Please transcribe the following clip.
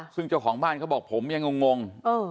ซึ่งเจ้าของบ้านเขาบอกผมยังงง